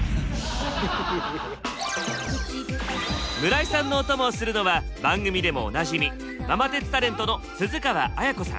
村井さんのお供をするのは番組でもおなじみママ鉄タレントの鈴川絢子さん。